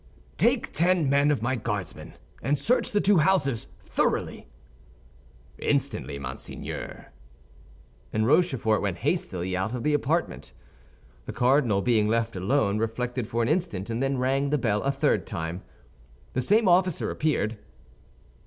"Take ten men of my Guardsmen, and search the two houses thoroughly." "Instantly, monseigneur." And Rochefort went hastily out of the apartment. The cardinal, being left alone, reflected for an instant and then rang the bell a third time. The same officer appeared.